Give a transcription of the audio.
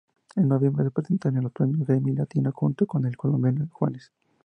En noviembre se presenta en los Premios Grammy Latino junto con el colombiano Juanes.